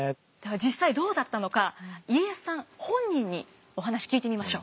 実際どうだったのか家康さん本人にお話聞いてみましょう。